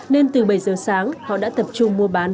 nên từ bảy giờ sáng họ đã tập trung mua bán